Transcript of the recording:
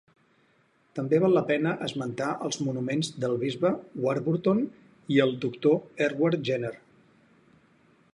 També val la pena esmentar els monuments del Bisbe Warburton i el Doctor Edward Jenner.